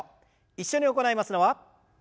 一緒に行いますのは。